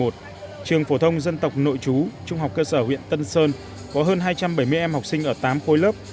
trường phổ thông dân tộc nội chú trung học cơ sở huyện tân sơn có hơn hai trăm bảy mươi em học sinh ở tám khối lớp